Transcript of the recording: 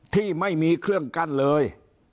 ที่ไม่มีเครื่องกั้นเลย